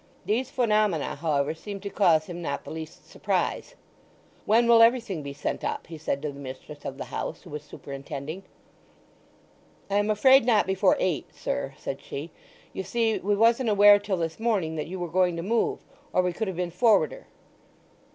These phenomena, however, seemed to cause him not the least surprise. "When will everything be sent up?" he said to the mistress of the house, who was superintending. "I am afraid not before eight, sir," said she. "You see we wasn't aware till this morning that you were going to move, or we could have been forwarder."